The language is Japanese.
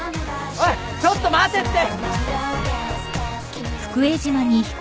おいちょっと待てって！